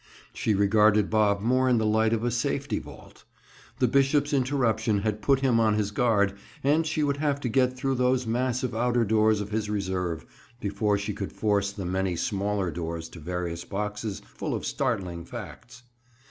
She regarded Bob more in the light of a safety vault; the bishop's interruption had put him on his guard and she would have to get through those massive outer doors of his reserve, before she could force the many smaller doors to various boxes full of startling facts.